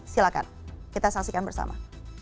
silahkan kita saksikan bersama